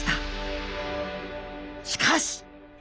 しかし！